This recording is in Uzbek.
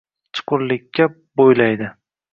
Chuqurlikka bo‘ylaydi.